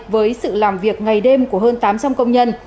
với sự làm việc ngày đêm của hơn tám trăm linh công nhân